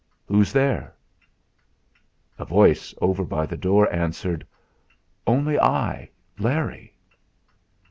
"Who's there?" A voice over by the door answered: "Only I Larry."